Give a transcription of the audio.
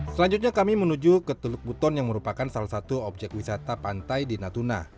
selanjutnya kami menuju ke teluk buton yang merupakan salah satu objek wisata pantai di natuna